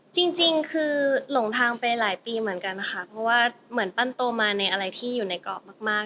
จริงคือหลงทางไปหลายปีเหมือนกันนะคะเพราะว่าเหมือนปั้นโตมาในอะไรที่อยู่ในกรอบมาก